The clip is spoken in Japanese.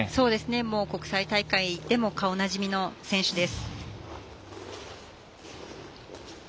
もう国際大会でも顔なじみの選手です。